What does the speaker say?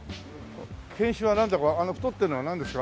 犬種はなんだかあの太ってるのはなんですか？